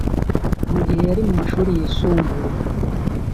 Mu gihe yari mu mashuri yisumbuye